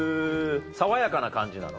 爽やかな感じなの？